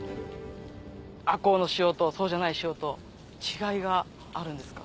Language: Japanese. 赤穂の塩とそうじゃない塩と違いがあるんですか？